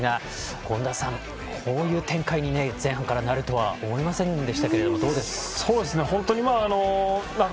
権田さん、こういう展開に前半からなるとは思いませんでしたがどうでしたか？